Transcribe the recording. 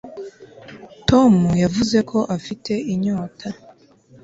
tom yavuze ko afite inyota